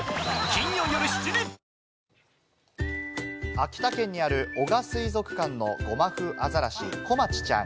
秋田県にある男鹿水族館のゴマフアザラシ・こまちちゃん。